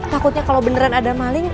takutnya kalau beneran ada maling